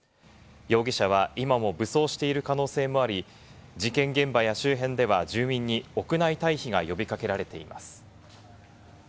容疑者は今も武装している可能性もあり、事件現場や周辺では住民に屋内退避が呼び掛けられています。